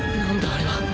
あれは。